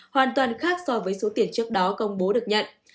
hoàn toàn khác so với số tiền trước đó công bố được nhận